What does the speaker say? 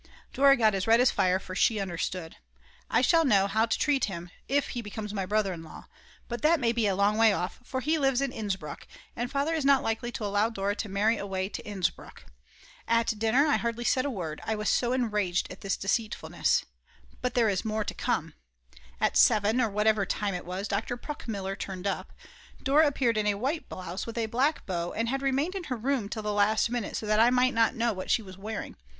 Dora got as red as fire, for she understood. I shall know how to treat him if he becomes my brother in law. But that may be a long way off; for he lives in Innsbruck, and Father is not likely to allow Dora to marry away to Innsbruck. At dinner I hardly said a word, I was so enraged at this deceitfulness. But there is more to come. At 7, or whatever time it was, Dr. Pruckmuller turned up. Dora appeared in a white blouse with a black bow, and had remained in her room till the last minute so that I might not know what she was wearing.